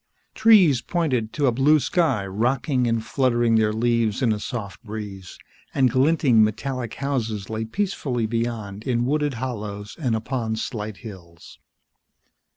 Trees pointed to a blue sky, rocking and fluttering their leaves in a soft breeze, and glinting metallic houses lay peacefully beyond in wooded hollows and upon slight hills.